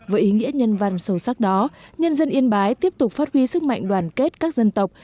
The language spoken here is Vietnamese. với ý nghĩa nhân văn sâu sắc đó nhân dân yên bái tiếp tục phát huy sức mạnh đoàn kết các dân tộc